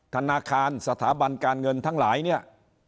ธนาคารสถาบันการเงินทั้งหลายเนี่ย